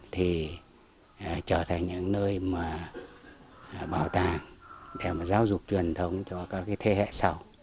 trở thành những nơi mà bảo tàng để mà giáo dục truyền thống cho các cái thế hệ sau